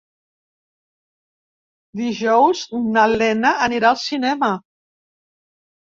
Dijous na Lena anirà al cinema.